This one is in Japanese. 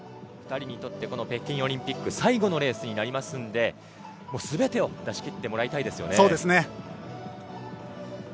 ２人にとって北京オリンピック最後のレースになりますので全てを出しきってもらいたいですね。